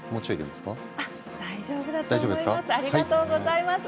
大丈夫だと思います。